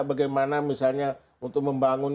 bagaimana misalnya untuk membangun